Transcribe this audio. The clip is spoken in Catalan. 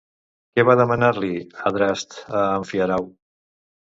Què va demanar-li Adrast a Amfiarau?